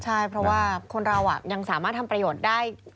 ใช่เพราะว่าคนเรายังสามารถทำประโยชน์ได้